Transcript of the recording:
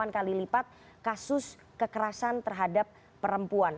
delapan kali lipat kasus kekerasan terhadap perempuan